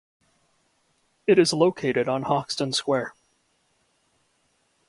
It is located on Hoxton Square.